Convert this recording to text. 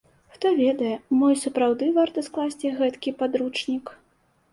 Хто ведае, мо і сапраўды варта скласці гэткі падручнік.